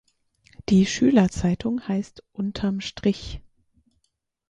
Die Schülerzeitung heißt „Unterm Strich“.